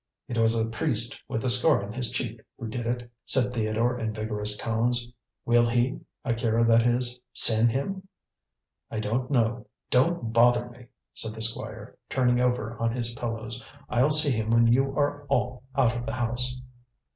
"It was the priest with the scar on his cheek who did it," said Theodore in vigorous tones. "Will he Akira that is send him?" "I don't know. Don't bother me!" said the Squire, turning over on his pillows. "I'll see him when you are all out of the house."